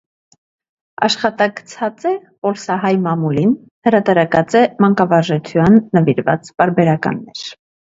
Աշխատակցած է պոլսահայ մամուլին, հրատարակած է մանկավարժութեան նուիրուած պարբերականներ։